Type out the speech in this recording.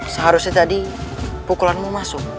seharusnya tadi pukulanmu masuk